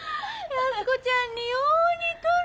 安子ちゃんによう似とる。